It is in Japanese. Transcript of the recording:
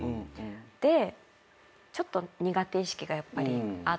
でちょっと苦手意識がやっぱりあって。